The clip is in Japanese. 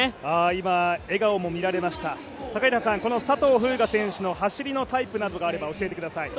今、笑顔も見られましたこの佐藤風雅選手の走りのタイプなどがあれば教えてください。